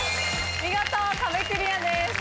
見事壁クリアです。